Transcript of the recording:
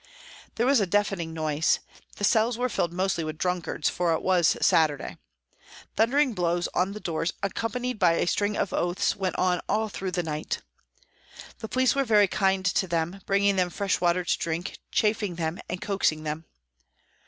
There was a deafening noise ; the cells were filled mostly with drunkards, for it was Saturday. Thundering blows on the doors, accompanied by a string of oaths, went on all through the night. The police were very kind to them, bringing them fresh water to drink, chaffing them and coaxing them.